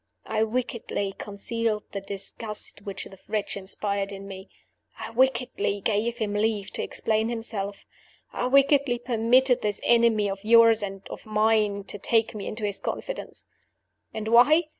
I wickedly concealed the disgust which the wretch inspired in me; I wickedly gave him leave to explain himself; I wickedly permitted this enemy of yours and of mine to take me into his confidence. And why?